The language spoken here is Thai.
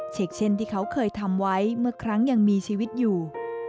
เช่นที่เขาเคยทำไว้เมื่อครั้งยังมีชีวิตอยู่